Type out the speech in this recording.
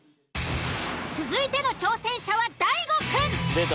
続いての挑戦者は大悟くん。